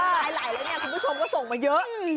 ลายไหลแล้วเนี่ยคุณผู้ชมก็ส่งมาเยอะ